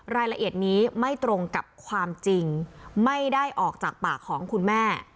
รายละเอียดนี้ไม่ตรงกับความจริงไม่ได้ออกจากปากของคุณแม่